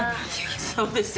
そうですよ。